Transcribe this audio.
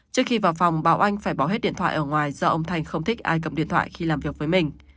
trước khi vào phòng bảo oanh phải bỏ hết điện thoại ở ngoài do ông thành không thích ai cập điện thoại khi làm việc với mình